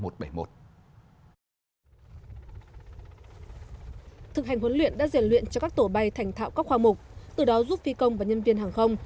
thực hành huấn luyện đã rèn luyện cho các tổ bay thành thạo các khoa mục từ đó giúp phi công và nhân viên hàng không